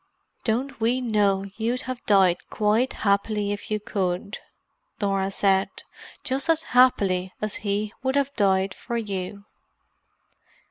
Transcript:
"Don't we know you'd have died quite happily if you could!" Norah said. "Just as happily as he would have died for you."